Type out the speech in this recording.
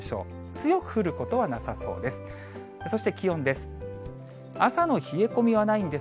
強く降ることはなさそうです。